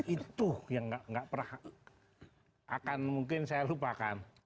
itu yang nggak pernah akan mungkin saya lupakan